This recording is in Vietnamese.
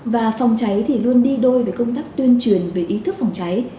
và phòng cháy thì luôn đi đôi với công tác tuyên truyền về ý thức phòng cháy